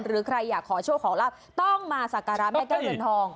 หรือใครอยากขอโชคขอลาบต้องมาสักการะแม่แก้วเรือนทอง